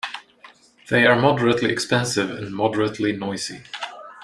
They are moderately expensive and moderately noisy.